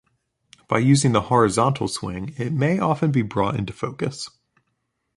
By using the horizontal swing, it may often be brought into focus.